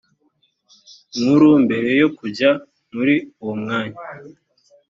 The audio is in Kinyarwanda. nkuru mbere yo kujya muri uwo mwanya